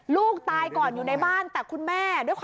ลูกตายก่อนอยู่ในบ้านแต่คุณแม่